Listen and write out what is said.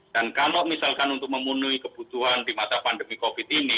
nah kalau misalkan untuk memenuhi kebutuhan pendidikan jarak jauh